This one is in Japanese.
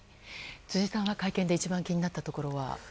辻さんは会見で一番気になったところは？